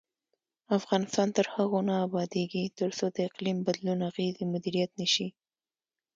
افغانستان تر هغو نه ابادیږي، ترڅو د اقلیم بدلون اغیزې مدیریت نشي.